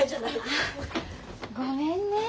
あごめんね。